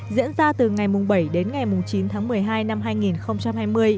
diễn ra từ ngày bảy đến ngày chín tháng một mươi hai năm hai nghìn hai mươi